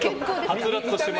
はつらつとしてます。